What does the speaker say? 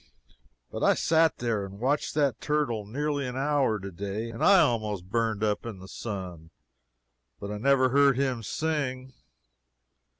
But I sat there and watched that turtle nearly an hour today, and I almost burned up in the sun; but I never heard him sing.